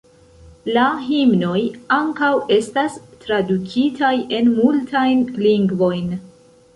La himnoj ankaŭ estas tradukitaj en multajn lingvojn.